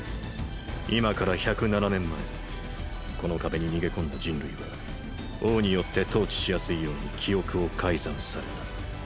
今から１０７年前この壁に逃げ込んだ人類は王によって統治しやすいように記憶を改竄された。